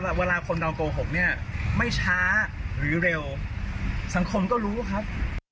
เวลาคนเราโกหกเนี่ยไม่ช้าหรือเร็วสังคมก็รู้ครับ